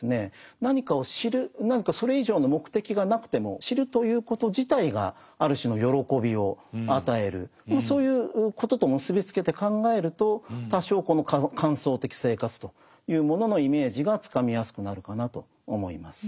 何かを知る何かそれ以上の目的がなくてもそういうことと結び付けて考えると多少この観想的生活というもののイメージがつかみやすくなるかなと思います。